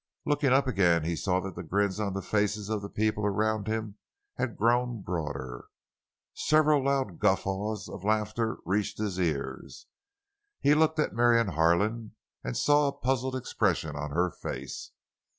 Looking up again, he saw that the grins on the faces of the people around him had grown broader—and several loud guffaws of laughter reached his ears. He looked at Marion Harlan, and saw a puzzled expression on her face.